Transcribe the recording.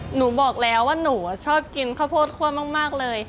หนูบอกแล้วว่าหนูชอบกินข้าวโพดคั่วมากเลย